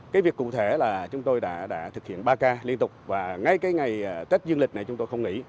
cái việc cụ thể là chúng tôi đã thực hiện ba k liên tục và ngay cái ngày tết dương lịch này chúng tôi không nghỉ